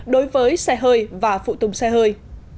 đối với xe hơi và phụ tùng xe hơi